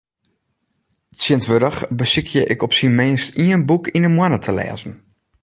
Tsjintwurdich besykje ik op syn minst ien boek yn ’e moanne te lêzen.